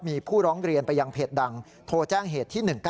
มีผู้ร้องเรียนไปยังเพจดังโทรแจ้งเหตุที่๑๙